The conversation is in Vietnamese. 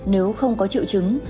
nếu không có triệu chứng